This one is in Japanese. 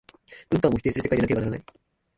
文化をも否定する世界でなければならない。